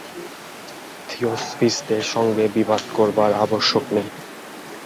থিওসফিষ্টদের সঙ্গে বিবাদ করবার আবশ্যক নেই।